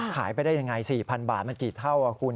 ขายไปได้ยังไง๔๐๐บาทมันกี่เท่าคุณ